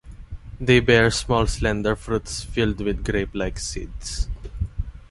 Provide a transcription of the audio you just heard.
They bear small slender fruits filled with grape-like seeds.